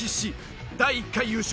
第１回優勝